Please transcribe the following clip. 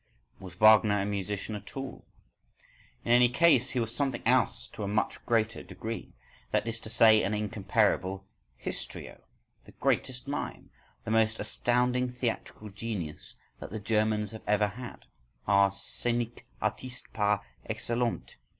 —— Was Wagner a musician at all? In any case he was something else to a much greater degree—that is to say, an incomparable histrio, the greatest mime, the most astounding theatrical genius that the Germans have ever had, our scenic artist par excellence.